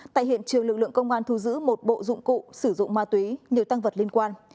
tại hiện trường lực lượng công an thu giữ một bộ dụng cụ sử dụng ma túy nhiều tăng vật liên quan